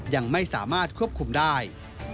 ยังไม่สามารถควบคุมได้